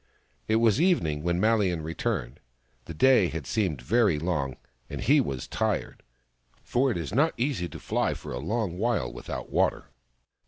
It was evening when Malian returned. The day had seemed very long, and he was tired, for it is not easy to fly for a long while without water.